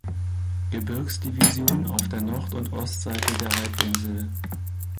Gebirgsdivision auf der Nord- und Ostseite der Halbinsel.